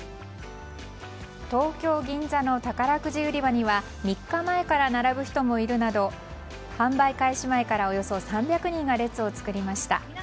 東京・銀座の宝くじ売り場には３日前から並ぶ人もいるなど販売開始前からおよそ３００人が列を作りました。